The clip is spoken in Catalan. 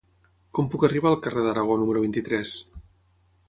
Com puc arribar al carrer d'Aragó número vint-i-tres?